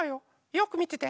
よくみてて。